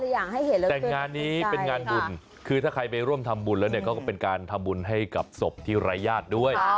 แต่งานนี้เป็นงานบุญคือถ้าใครไปร่วมทำบุญแล้วเนี่ยก็เป็นการทำบุญให้กับศพที่รายญาติด้วย